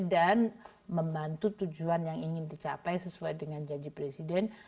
dan membantu tujuan yang ingin dicapai sesuai dengan janji presiden